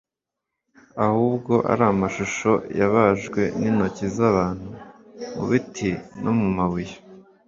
ahubwo ari amashusho yabajwe n’intoki z’abantu mu biti no mu mabuye,